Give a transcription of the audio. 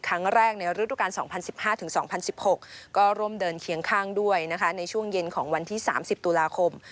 ครั้งแรกในฤดูการ๒๐๑๕๒๐๑๖ก็ร่วมเดินเคียงข้างด้วยนะคะในช่วงเย็นของวันที่๓๐ตุลาคม